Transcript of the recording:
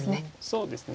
そうですね。